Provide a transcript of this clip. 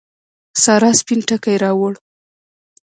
سارا سپين ټکی راووړ.